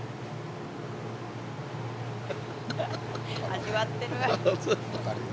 味わっている。